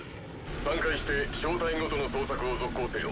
散開して小隊ごとの捜索を続行せよ。